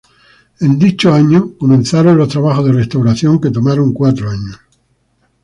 En dicho año comenzaron los trabajos de restauración, que tomaron cuatro años.